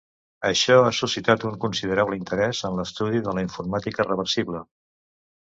Això ha suscitat un considerable interès en l'estudi de la informàtica reversible.